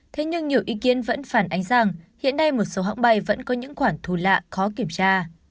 thế nhưng nhiều ý kiến vẫn phản ánh rằng hiện nay một số hãng bay vẫn có những khoản thu lạ khó kiểm tra